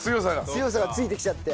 強さがついてきちゃって。